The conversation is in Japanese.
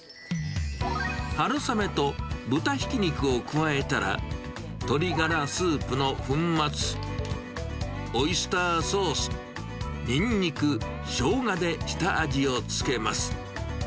春雨と豚ひき肉を加えたら、鶏ガラスープの粉末、オイスターソース、ニンニク、ショウガで下味を付けます。